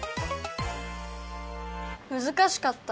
むずかしかった？